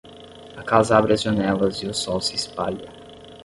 A casa abre as janelas e o sol se espalha.